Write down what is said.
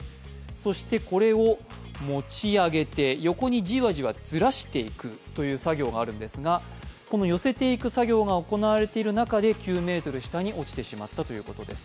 そしてこれを持ち上げて横にじわじわずらしていくという作業があるんですがこの寄せていく作業が行われていく中で９ｍ下に落ちてしまったということなんです。